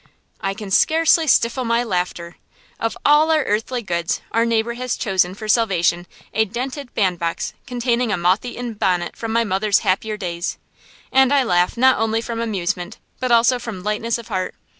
I can scarcely stifle my laughter. Of all our earthly goods, our neighbor has chosen for salvation a dented bandbox containing a moth eaten bonnet from my mother's happier days! And I laugh not only from amusement but also from lightness of heart.